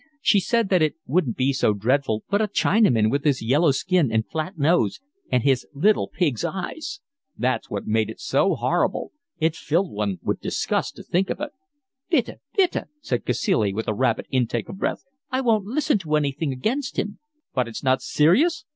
She said that it wouldn't be so dreadful, but a Chinaman, with his yellow skin and flat nose, and his little pig's eyes! That's what made it so horrible. It filled one with disgust to think of it. "Bitte, bitte," said Cacilie, with a rapid intake of the breath. "I won't listen to anything against him." "But it's not serious?"